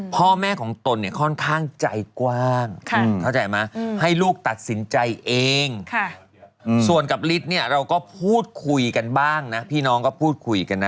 พ่อแม่ของตนเนี่ยค่อนข้างใจกว้างเข้าใจไหมให้ลูกตัดสินใจเองส่วนกับฤทธิ์เนี่ยเราก็พูดคุยกันบ้างนะพี่น้องก็พูดคุยกันนะ